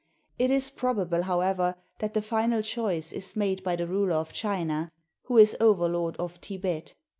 It is probable, however, that the final choice is made by the ruler of China, who is overlord of Thibet.